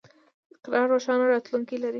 اقرا روښانه راتلونکی لري.